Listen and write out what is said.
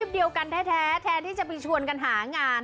เดียวกันแท้แทนที่จะไปชวนกันหางาน